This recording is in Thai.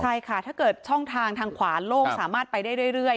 ใช่ค่ะถ้าเกิดช่องทางทางขวาโล่งสามารถไปได้เรื่อย